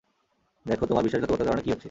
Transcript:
দেখো তোমার বিশ্বাসঘাতকতার কারণে কী হচ্ছে।